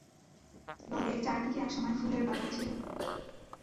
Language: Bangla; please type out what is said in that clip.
লদের চারদিকে একসময় ফুলের বাগান ছিল।